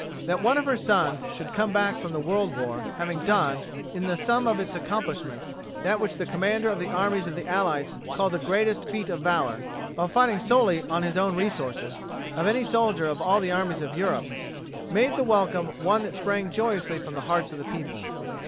That one of her sons should come back from the World War, having done, in the sum of its accomplishment, that which the Commander of the Armies of the Allies called the greatest feat of valor, while fighting solely on his own resources, of any soldier of all of the armies of Europe, made the welcome one that sprang joyously from the hearts of the people.